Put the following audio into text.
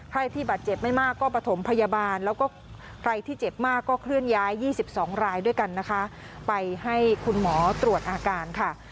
ใครที่บาดเจ็บไม่มากก็ประถมพยาบาลแล้วก็ใครที่เจ็บมากก็เคลื่อนย้าย๒๒รายด้วยกันนะคะไปให้คุณหมอตรวจอาการค่ะ